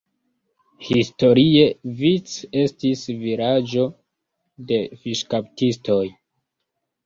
Historie Vic estis vilaĝo de fiŝkaptistoj.